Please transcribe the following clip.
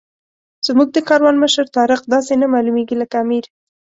زموږ د کاروان مشر طارق داسې نه معلومېږي لکه امیر.